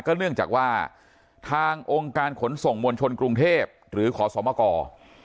เนื่องจากว่าทางองค์การขนส่งมวลชนกรุงเทพหรือขอสมกร